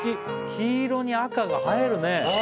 黄色に赤が映えるね。